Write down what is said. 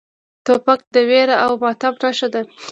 توپک د ویر او ماتم نښه ده.